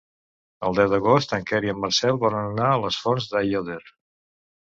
El deu d'agost en Quer i en Marcel volen anar a les Fonts d'Aiòder.